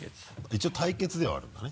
一応対決ではあるんだね。